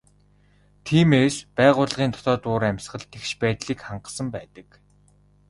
Тиймээс байгууллагын дотоод уур амьсгал тэгш байдлыг хангасан байдаг.